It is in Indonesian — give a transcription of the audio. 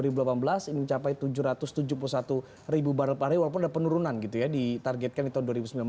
ini mencapai tujuh ratus tujuh puluh satu ribu barrel per hari walaupun ada penurunan gitu ya ditargetkan di tahun dua ribu sembilan belas